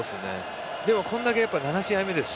でも、これだけ７試合目ですし。